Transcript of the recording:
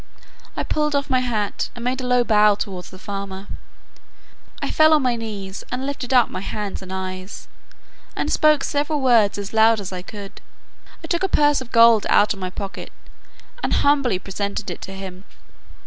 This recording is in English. I pulled off my hat, and made a low bow towards the farmer. I fell on my knees, and lifted up my hands and eyes, and spoke several words as loud as I could: I took a purse of gold out of my pocket, and humbly presented it to him.